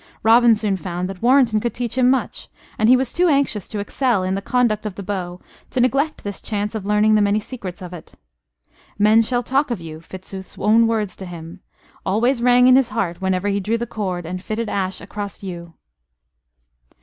Robin soon found that Warrenton could teach him much; and he was too anxious to excel in the conduct of the bow to neglect this chance of learning the many secrets of it. "Men shall talk of you" Fitzooth's own words to him always rang in his heart whenever he drew the cord and fitted ash across yew.